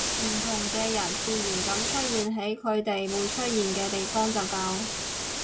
唔同嘅人自然噉出現喺佢哋會出現嘅地方就夠